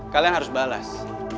kalian harus balas